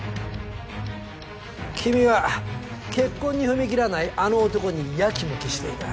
君は結婚に踏み切らないあの男にヤキモキしていた。